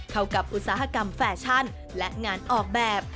เข้ากับอุตสาหกรรมแฟชั่นและงานออกแบบ